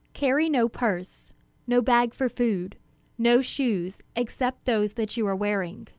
Carry no purse, no bag for food, no shoes except those that you are wearing.